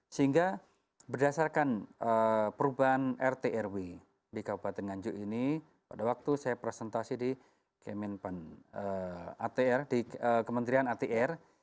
sehingga berdasarkan perubahan rt rw di kabupaten ganjuk ini pada waktu saya presentasi di kementerian atr